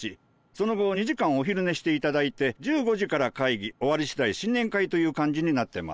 その後２時間お昼寝して頂いて１５時から会議終わりしだい新年会という感じになってます。